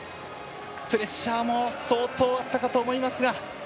プレッシャーも相当あったかと思いますが。